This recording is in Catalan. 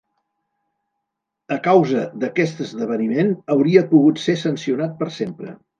A causa d'aquest esdeveniment hauria pogut ser sancionat per sempre.